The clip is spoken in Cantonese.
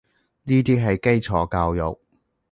呢啲係基礎教育